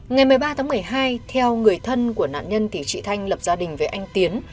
ngày một mươi ba tháng một mươi hai theo người thân của nạn nhân thì chị thanh lập gia đình với anh tiến